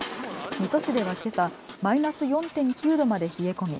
水戸市ではけさ、マイナス４．９度まで冷え込み